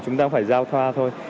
chúng ta cũng phải giao thoa thôi